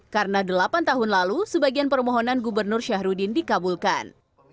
karena delapan tahun lalu sebagian permohonan gubernur syahrudin dikabulkan